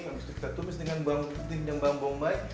habis itu kita tumis dengan bawang putih dan bawang bombay